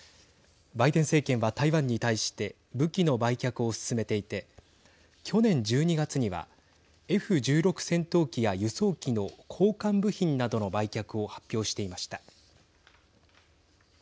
バイデン政権は台湾に対して武器の売却を進めていて去年１２月にはＦ１６戦闘機や輸送機の交換部品などの売却を発表していました。